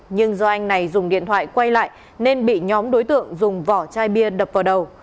nhưng do anh này dùng điện thoại quay lại nên bị nhóm đối tượng dùng vỏ chai bia đập vào đầu